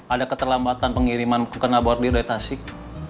ada keterlambatan pengiriman kekenalbor di rai tasik